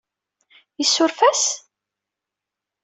Isuref-as?